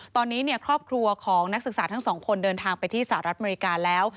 ตอนนี้ครอบครัวของนักศึกษาทั้งสองคนเดินทางไปที่สหรัฐอเมริกาแล้ว